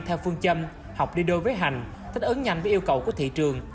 theo phương châm học đi đôi với hành thích ứng nhanh với yêu cầu của thị trường